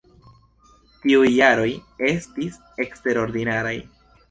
Tiuj jaroj estis eksterordinaraj.